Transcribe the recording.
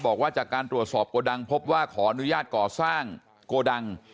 บอกว่าจากการตรวจสอบโกดังพบว่าขออนุญาตก่อสร้างโกดัง